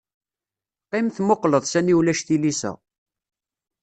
Qqim tmuqleḍ sani ulac tilisa.